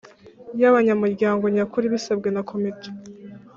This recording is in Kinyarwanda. y abanyamuryango nyakuri bisabwe na Komite